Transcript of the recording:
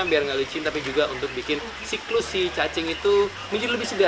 biar nggak licin tapi juga untuk bikin siklus si cacing itu menjadi lebih segar